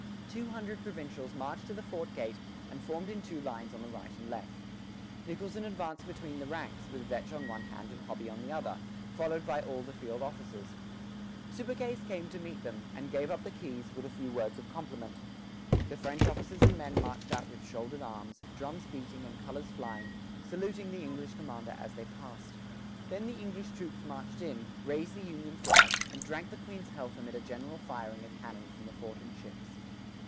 Two hundred provincials marched to the fort gate and formed in two lines on the right and left. Nicholson advanced between the ranks, with Vetch on one hand and Hobby on the other, followed by all the field officers. Subercase came to meet them, and gave up the keys, with a few words of compliment. The French officers and men marched out with shouldered arms, drums beating, and colors flying, saluting the English commander as they passed; then the English troops marched in, raised the union flag, and drank the Queen's health amid a general firing of cannon from the fort and ships.